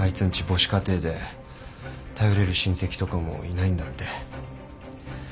母子家庭で頼れる親戚とかもいないんだって。